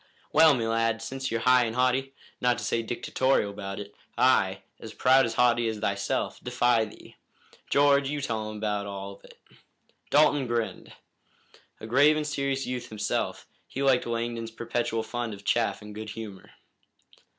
"Well, me lad, since you're high and haughty, not to say dictatorial about it, I, as proud and haughty as thyself, defy thee. George, you tell him all about it." Dalton grinned. A grave and serious youth himself, he liked Langdon's perpetual fund of chaff and good humor.